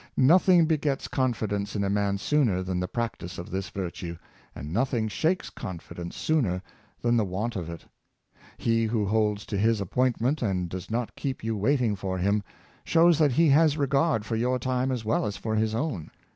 Nothing begets confi dence in a man sooner than the practice of this virtue, and nothing shakes confidence sooner than the want of it. He who holds to his appointment and does not keep you waiting for him, shows that he has regard for your time as well as for his own.